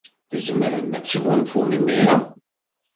Tzemrem ad tesgunfum imir-a.